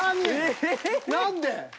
何で？